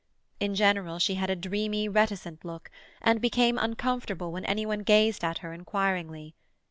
In general she had a dreamy, reticent look, and became uncomfortable when any one gazed at her inquiringly.